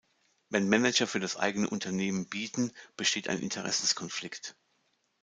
Wenn Manager für das eigene Unternehmen bieten, besteht ein Interessenkonflikt.